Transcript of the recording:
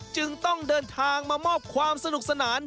จึงต้องเดินทางมามอบความสนุกสนาน